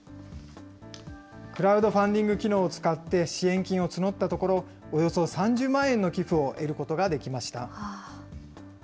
クラウドファンディング機能を使って支援金を募ったところ、およそ３０万円の寄付を得ることができました。